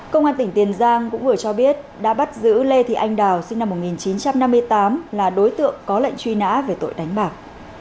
công an tỉnh tiền giang cũng vừa cho biết đã bắt giữ lê thị anh đào sinh năm một nghìn chín trăm năm mươi tám là đối tượng có lệnh truy nã về tội đánh bạc